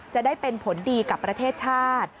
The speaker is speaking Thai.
จะได้เป็นผลดีกับประเทศชาติ